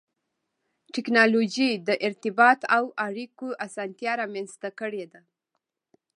ټکنالوجي د ارتباط او اړیکو اسانتیا رامنځته کړې ده.